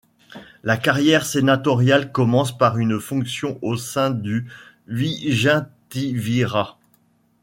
La carrière sénatoriale commence par une fonction au sein du vigintivirat.